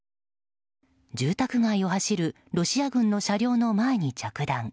住宅街を走るロシア軍の車両の前に着弾。